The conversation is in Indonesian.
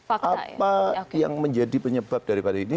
apa yang menjadi penyebab daripada ini